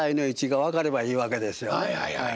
はいはいはい。